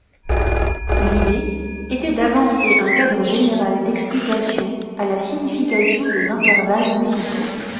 L'idée était d'avancer un cadre général d'explication à la signification des intervalles musicaux.